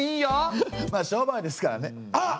まあ商売ですからねあっ！